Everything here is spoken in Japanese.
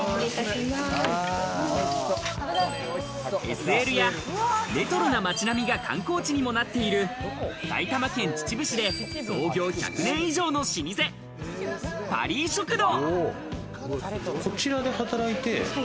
ＳＬやレトロな街並みが観光地にもなっている埼玉県秩父市で創業１００年以上の老舗、パリー食堂。